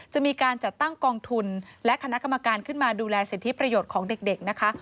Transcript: จะมีการจัดตั้งกองทุนและคณะกรรมการขึ้นมาดูแลสิทธิประโยชน์ของเด็กนะคะ